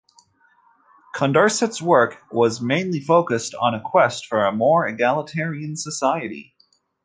Condorcet's work was mainly focused on a quest for a more egalitarian society.